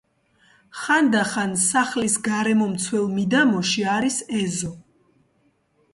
ხანდახან სახლის გარემომცველ მიდამოში არის ეზო.